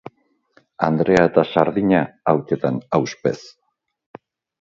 Andrea eta sardina, hautsetan ahuspez.